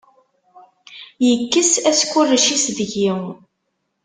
Yekkes askurec-is deg-i.